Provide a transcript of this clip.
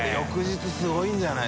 眛すごいんじゃない？